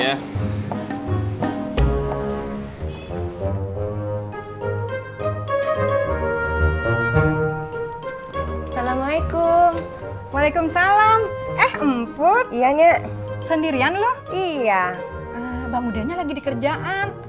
assalamualaikum waalaikumsalam eh empuk ianya sendirian loh iya bangunannya lagi dikerjaan